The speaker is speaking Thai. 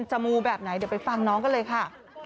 มูแบบไหนเดี๋ยวไปฟังน้องกันเลยค่ะ